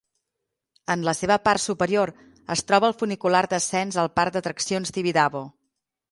En la seva part superior es troba el funicular d'ascens al Parc d'Atraccions Tibidabo.